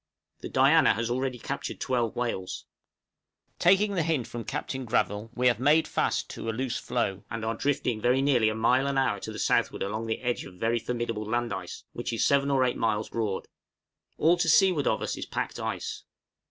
The 'Diana' has already captured twelve whales. Taking the hint from Capt. Gravill, we have made fast to a loose floe, and are drifting very nearly a mile an hour to the southward along the edge of a very formidable land ice, which is seven or eight miles broad. All to seaward of us is packed ice.